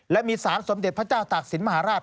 และมีสารสมเด็จพระเจ้าตากศิลปมหาราช